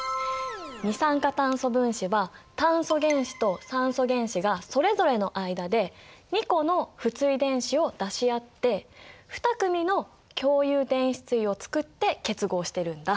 二酸化炭素分子は炭素原子と酸素原子がそれぞれの間で２個の不対電子を出し合って２組の共有電子対をつくって結合してるんだ。